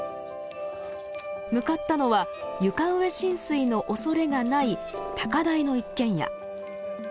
向かったのは床上浸水のおそれがない高台の一軒家。